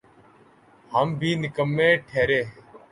ہم بھی نکمّے ٹھہرے۔